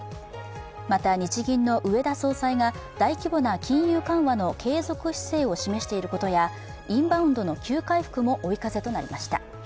また、日銀の植田総裁が大規模な金融緩和の継続姿勢を示していることやインバウンドの急回復も追い風となりました。